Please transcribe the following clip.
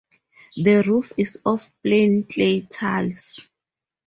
The roof is of plain clay tiles.